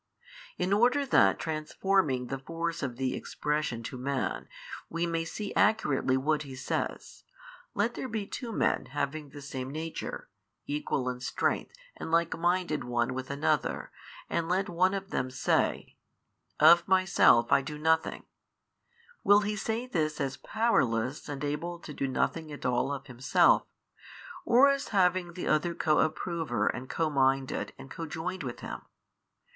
In order that transforming the force of the expression to man, we may see accurately what He says, let there be two men having the same nature, equal in strength and likeminded one with another, and let one of them say, Of myself I do nothing, will he say this as powerless and able to do nothing at all of himself, or as having the other co approver and co minded and co joined with him?